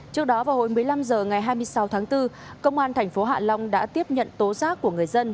trước đó vào hồi một mươi năm h ngày hai mươi sáu tháng bốn công an thành phố hạ long đã tiếp nhận tố giác của người dân